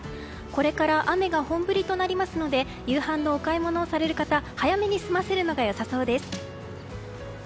これから雨が本降りとなりますので夕飯のお買い物をされる方早めに済ませると良さそうです。